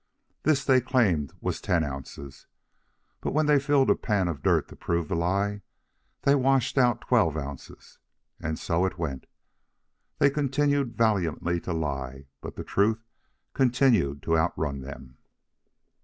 This they claimed was ten ounces; but when they filled a pan of dirt to prove the lie, they washed out twelve ounces. And so it went. They continued valiantly to lie, but the truth continued to outrun them.